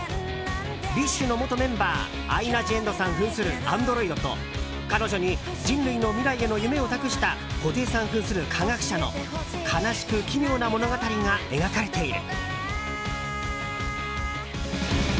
ＢｉＳＨの元メンバーアイナ・ジ・エンドさん扮するアンドロイドと彼女に人類の未来への夢を託した布袋さん扮する科学者の悲しく奇妙な物語が描かれている。